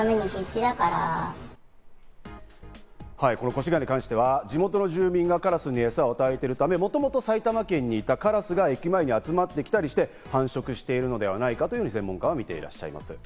越谷に関しては地元の住民がカラスに餌を与えているため、もともと埼玉県にいたカラスが駅前に集まってきたりして繁殖しているのではないかと専門家は見ていらっしゃいます。